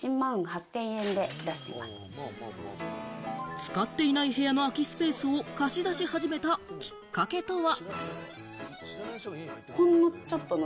使っていない部屋の空きスペースを貸し出し始めたきっかけとは？